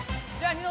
ニノ。